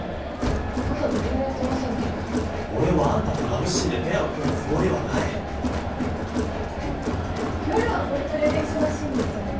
まだ何も言ってませんけど俺はあんたとラブシーンでペアを組むつもりはない夜はボイトレで忙しいんですよね